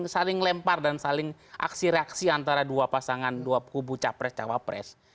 saling lempar dan saling aksi reaksi antara dua pasangan dua kubu capres cawapres